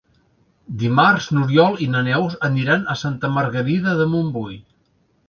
Dimarts n'Oriol i na Neus aniran a Santa Margarida de Montbui.